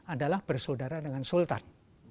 adalah bersaudara dengan sultan